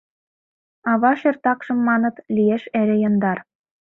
Ава шӧр такшым, маныт, Лиеш эре яндар…